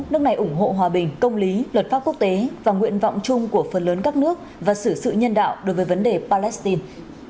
nước này ủng hộ hòa bình công lý luật pháp quốc tế và nguyện vọng chung của phần lớn các nước và xử sự nhân đạo đối với vấn đề palestine